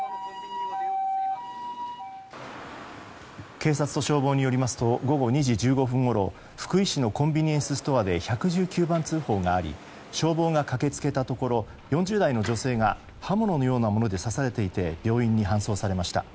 警察と消防によりますと午後２時１５分ごろ福井市のコンビニエンスストアで１１９番通報があり消防が駆け付けたところ４０代の女性が刃物のようなもので刺されていて病院に搬送されました。